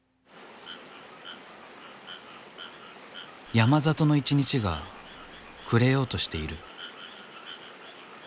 山里の一日が暮れようとしている。